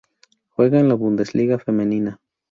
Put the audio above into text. Juega en la Bundesliga Femenina.